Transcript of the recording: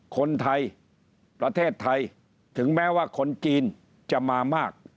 คนไทยประเทศไทยถึงแม้ว่าคนจีนจะมามาก